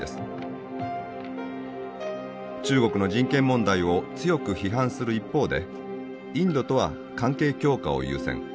中国の人権問題を強く批判する一方でインドとは関係強化を優先。